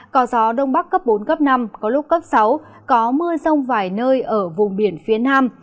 có gió đông bắc cấp bốn cấp năm có lúc cấp sáu có mưa rông vài nơi ở vùng biển phía nam